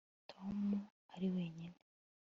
tom ari wenyine